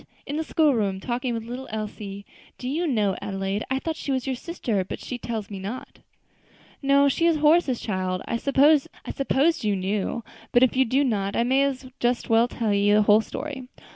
In the school room, talking with little Elsie. Do you know, Adelaide, I thought she was your sister; but she tells me not." "No, she is Horace's child. I supposed you knew; but if you do not, I may just as well tell you the whole story.